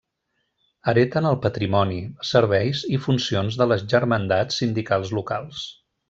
Hereten el patrimoni, serveis i funcions de les germandats sindicals locals.